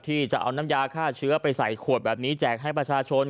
ที่จะเอาน้ำยาฆ่าเชื้อไปใส่ขวดแบบนี้แจกให้ประชาชน